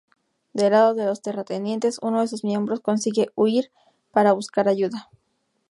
Del lado de los terratenientes, uno de sus miembros consigue huir para buscar ayuda.